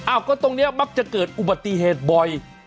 ก็ตรงนี้มักจะเกิดอุบัติเหตุบ่อย